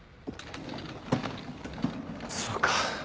そうか。